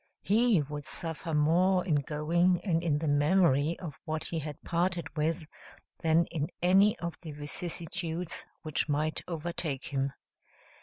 He would suffer more in going, and in the memory of what he had parted with, than in any of the vicissitudes which might overtake him.